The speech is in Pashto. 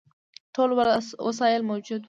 ټول وسایل موجود وه.